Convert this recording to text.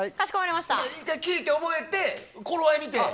１回聴いて覚えて頃合い見て。